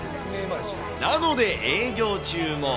なので営業中も。